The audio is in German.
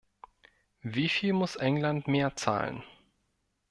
Wieviel muss England mehr zahlen?